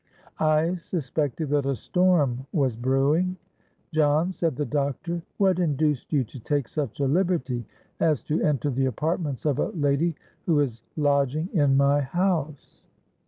I suspected that a storm was brewing. 'John,' said the doctor, 'what induced you to take such a liberty as to enter the apartments of a lady who is lodging in my house?'